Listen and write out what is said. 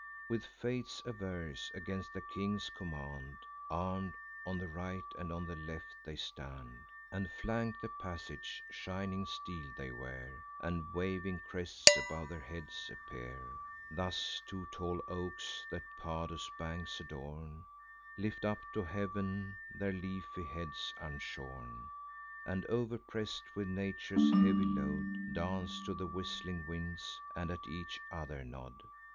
With fates averse, against their king's command, Arm'd, on the right and on the left they stand, And flank the passage: shining steel they wear, And waving crests above their heads appear. Thus two tall oaks, that Padus' banks adorn, Lift up to heav'n their leafy heads unshorn, And, overpress'd with nature's heavy load, Dance to the whistling winds, and at each other nod.